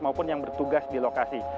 maupun yang bertugas di lokasi